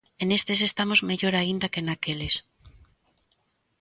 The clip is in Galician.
E nestes estamos mellor aínda que naqueles.